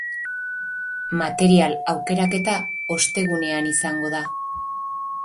Material aukeraketa ostegunean izango da.